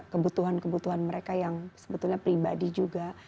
kebutuhan kebutuhan mereka yang sebetulnya pribadi juga